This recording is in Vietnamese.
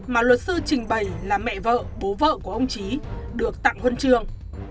mà luật sư trình bày là mẹ vợ bố vợ của ông trí được tặng huân trường